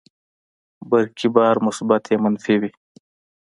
برقي بار مثبت یا منفي وي.